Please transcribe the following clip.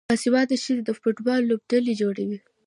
باسواده ښځې د فوټبال لوبډلې جوړوي.